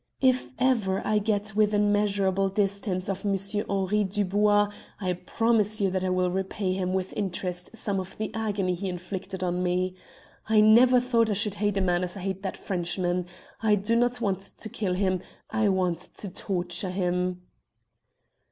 "If ever I get within measurable distance of Monsieur Henri Dubois I promise you that I will repay him with interest some of the agony he inflicted on me. I never thought I should hate a man as I hate that Frenchman. I do not want to kill him. I want to torture him!"